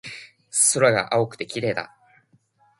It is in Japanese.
空が青くて綺麗だ